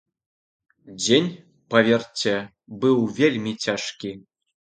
Дзень, паверце, быў вельмі цяжкі.